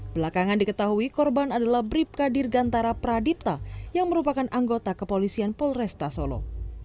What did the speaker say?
belakangan diketahui korban adalah brib kadir gantara pradipta yang merupakan anggota kepolisian polresta solo